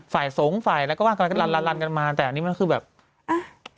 ฝ่ายสงฆ์ฝ่ายอะไรก็ว่ากันลันกันมาแต่อันนี้มันคือแบบอ่า